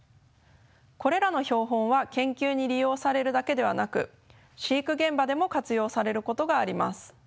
これらの標本は研究に利用されるだけではなく飼育現場でも活用されることがあります。